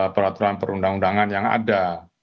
peraturan perundang undangan yang ada